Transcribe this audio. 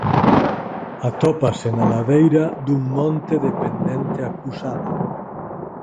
Atópase na ladeira dun monte de pendente acusada.